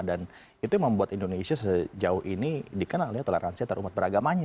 dan itu yang membuat indonesia sejauh ini dikenal ya toleransi antar umat beragamanya